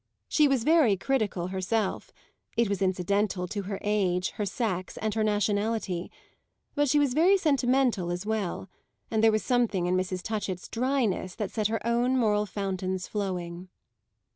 She was very critical herself it was incidental to her age, her sex and her nationality; but she was very sentimental as well, and there was something in Mrs. Touchett's dryness that set her own moral fountains flowing.